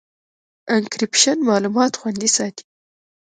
انکریپشن معلومات خوندي ساتي.